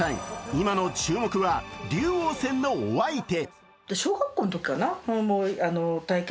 今の注目は竜王戦のお相手。